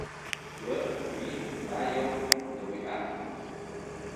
О уиунаеу унэ уиӏа?